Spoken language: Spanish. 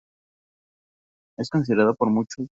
Está considerado por muchos el mejor en su especialidad.